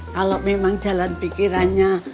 kalo memang jalan pikirannya